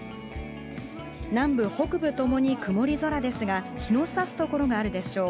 南部、北部ともに曇り空ですが、日の差すところがあるでしょう。